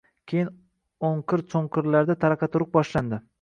Keyin o`nqir-cho`nqirlarda taraqa-turuq boshlandi